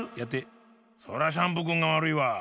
そらシャンプーくんがわるいわ。